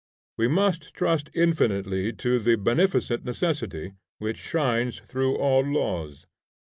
We must trust infinitely to the beneficent necessity which shines through all laws.